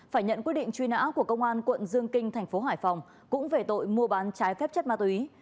phải nhận quyết định truy nã của công an quận dương kinh thành phố hải phòng cũng về tội mua bán trái phép chất ma túy